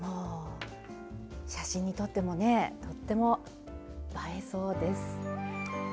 写真に撮ってもねとっても映えそうです。